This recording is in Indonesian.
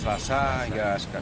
selasa hingga sekarang